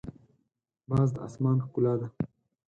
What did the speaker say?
باز د اسمان ښکلا ده